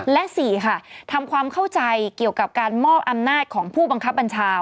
และ๔ค่ะทำความเข้าใจเกี่ยวกับการมอบอำนาจของผู้บังคับบัญชา